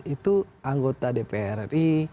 itu anggota dpr ri